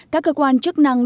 các cơ quan chức năng